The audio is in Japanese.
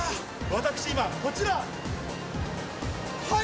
私今こちら！